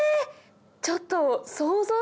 ちょっと。